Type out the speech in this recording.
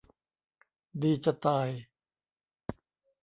ดีจะตาย